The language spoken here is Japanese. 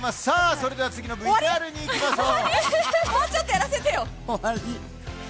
それでは次のＶＴＲにいきましょう。